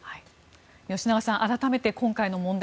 吉永さん、改めて今回の問題